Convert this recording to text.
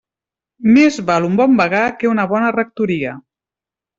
Més val un bon vagar que una bona rectoria.